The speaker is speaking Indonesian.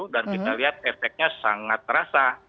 dan kita lihat efeknya sangat terasa